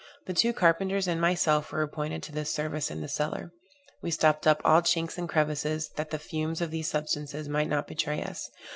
The two carpenters and myself were appointed to this service in the cellar. We stopped up all chinks and crevices, that the fumes of these substances might not betray us.